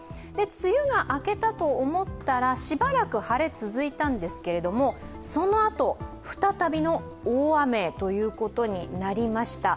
梅雨が明けたと思ったらしばらく晴れが続いたんですけれども、そのあと、再びの大雨ということになりました。